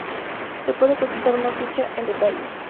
Se puede consultar una ficha en detalle.